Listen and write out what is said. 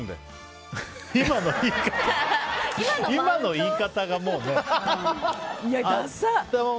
今の言い方が、もうね。